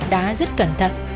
đã rất cẩn thận